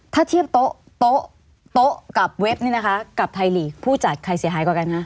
ถ้าเทียบโต๊ะโต๊ะกับเว็บนี่นะคะกับไทยลีกผู้จัดใครเสียหายกว่ากันคะ